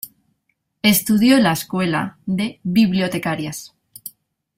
Estudió en la Escuela de Bibliotecarias.